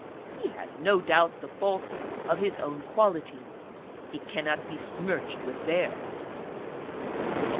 He has, no doubt, the faults of his own qualities ; he cannot be smirched with theirs.